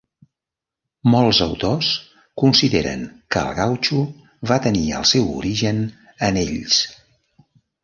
Molts autors consideren que el gautxo va tenir el seu origen en ells.